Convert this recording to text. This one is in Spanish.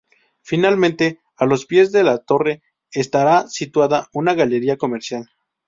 Finalmente, a los pies de la torre, estará situada una galería comercial.